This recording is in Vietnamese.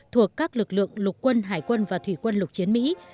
thuộc các lực lượng lục quân hải quân và thủy quân lục chiến mỹ